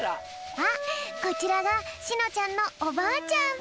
あっこちらがしのちゃんのおばあちゃん。